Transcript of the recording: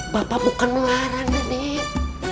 bapak bukan melarang nenek